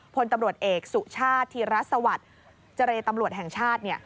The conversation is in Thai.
พลตำรวจเอกสุชาติธีรสวัสดิ์เจรตำรวจแห่งชาติ